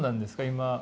今。